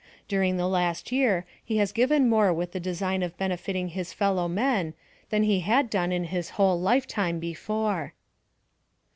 During the last yejr he lias ffiven more with the desigfu of benefittinof his fellow men than he had done in his whole life tune before.